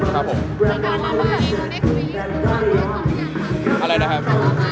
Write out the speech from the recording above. ไม่ต้องแย่งความ